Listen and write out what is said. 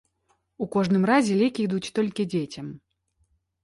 У кожным разе, лекі ідуць толькі дзецям.